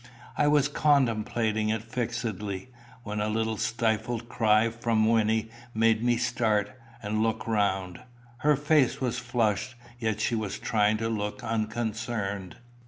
I was contemplating it fixedly, when a little stifled cry from Wynnie made me start and look round. Her face was flushed, yet she was trying to look unconcerned.